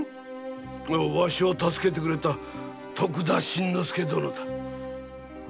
わしを助けてくれた徳田新之助殿だ。